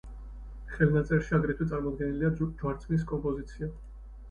ხელნაწერში აგრეთვე წარმოდგენილია ჯვარცმის კომპოზიცია.